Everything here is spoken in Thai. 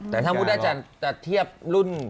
แต่ถ้ามุติน่าจะเทียบรุ่น